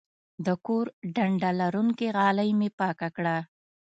د کور ډنډه لرونکې غالۍ مې پاکه کړه.